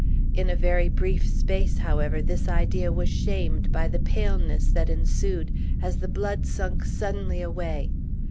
In a very brief space, however, this idea was shamed by the paleness that ensued, as the blood sunk suddenly away.